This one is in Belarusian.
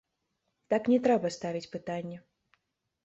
Так не трэба ставіць пытанне.